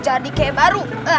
jadi kayak baru